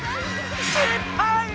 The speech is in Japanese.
失敗！